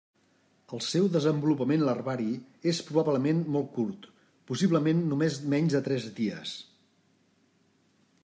El seu desenvolupament larvari és probablement molt curt, possiblement només menys de tres dies.